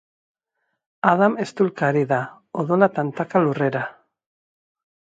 Adam eztulka ari da, odola tantaka lurrera.